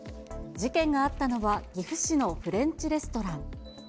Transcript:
事件があったのは、岐阜市のフレンチレストラン。